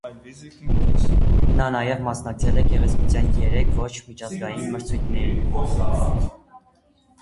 Նա նաև մասնակցել է գեղեցկության երեք ոչ մեծ միջազգային մրցույթների։